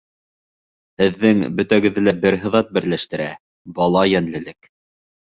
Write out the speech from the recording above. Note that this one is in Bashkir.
— Һеҙҙең бөтәгеҙҙе лә бер һыҙат берләштерә — бала йәнлелек.